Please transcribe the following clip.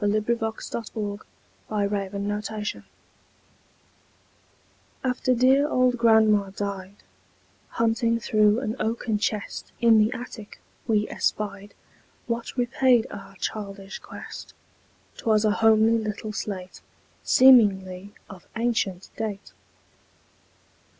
Eugene Field Little Homer's Slate AFTER dear old grandma died, Hunting through an oaken chest In the attic, we espied What repaid our childish quest; 'Twas a homely little slate, Seemingly of ancient date.